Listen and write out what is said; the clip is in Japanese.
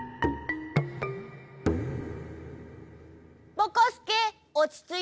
ぼこすけおちついた？